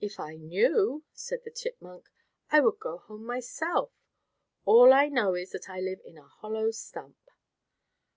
"If I knew," said the chipmunk, "I would go home myself. All that I know is that I live in a hollow stump."